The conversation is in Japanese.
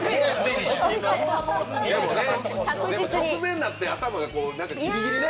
直前になって頭がギリギリね